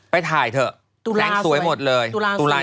ไปถ่ายเถอะแสงสวยหมดเลยตุลาสวยตุลาสวย